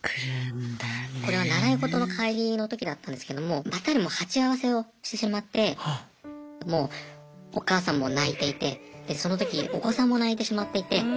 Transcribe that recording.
これは習い事の帰りの時だったんですけどもバッタリもう鉢合わせをしてしまってもうお母さんも泣いていてでその時お子さんも泣いてしまっていて。